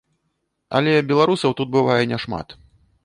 Але беларусаў тут бывае не шмат.